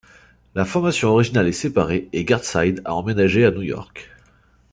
La formation originale est séparée, et Gartside a emménagé à New York.